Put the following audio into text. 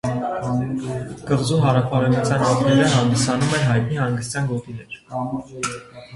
Կղզու հարավարևմտյան ափերը հանդիսանում են հայտնի հանգստյան գոտիներ։